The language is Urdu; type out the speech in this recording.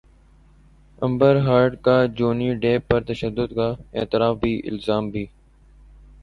امبر ہرڈ کا جونی ڈیپ پر تشدد کا اعتراف بھی الزام بھی